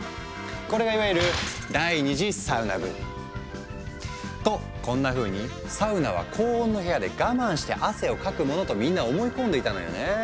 これがいわゆるとこんなふうに「サウナは高温の部屋で我慢して汗をかくもの」とみんな思い込んでいたのよね。